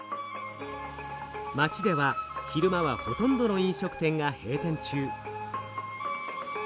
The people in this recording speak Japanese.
街では昼間はほとんどの飲食店が閉店中。